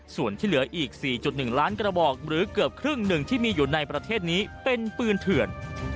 ส่วนที่เหลืออีก๔๑ล้านกระบอกหรือเกือบครึ่งหนึ่งที่มีอยู่ในประเทศนี้เป็นปืนเถื่อน